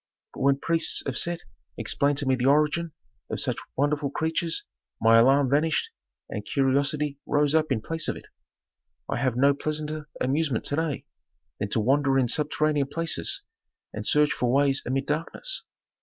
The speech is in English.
But when priests of Set explained to me the origin of such wonderful creatures my alarm vanished and curiosity rose up in place of it. I have no pleasanter amusement to day than to wander in subterranean places and search for ways amid darkness.